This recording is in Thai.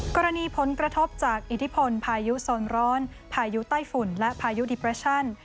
กรณีผลกระทบจากอิทธิพลพายุโซนร้อนพายุไต้ฝุ่นและพายุดิเปรชั่น